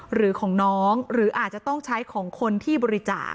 หรือของน้องหรืออาจจะต้องใช้ของคนที่บริจาค